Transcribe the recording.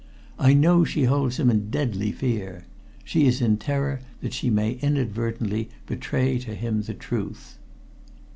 I know she holds him in deadly fear she is in terror that she may inadvertently betray to him the truth!"